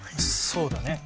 そうだね。